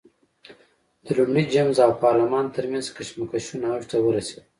د لومړي جېمز او پارلمان ترمنځ کشمکشونه اوج ته ورسېدل.